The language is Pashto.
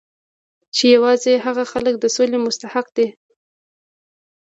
چې یوازې هغه خلک د سولې مستحق دي